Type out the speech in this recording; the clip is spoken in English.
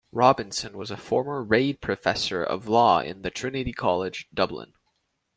Robinson was a former Reid Professor of Law in the Trinity College, Dublin.